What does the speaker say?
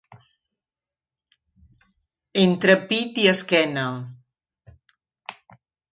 Entre pit i esquena.